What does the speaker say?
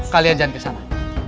kalian jangan ke sana